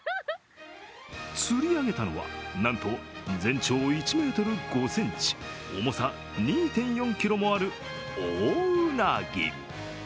釣り上げたのはなんと全長１ｍ５ｃｍ重さ２．４ｋｇもあるオオウナギ。